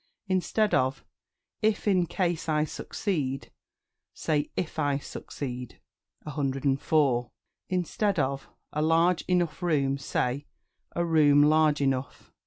Instead of "If in case I succeed," say "If I succeed." 104. Instead of "A large enough room," say "A room large enough."